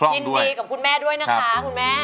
ยินดีกับคุณแม่ด้วยนะคะคุณแม่